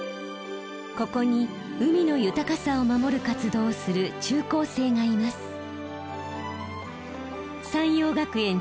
ここに海の豊かさを守る活動をする中高生がいます。